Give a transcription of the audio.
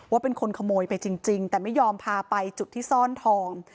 ว่าเป็นคนขโมยไปจริงแต่ไม่ยอมพาไปจุดที่ซ่อนทอง